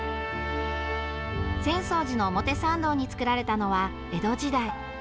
浅草寺の表参道に作られたのは江戸時代。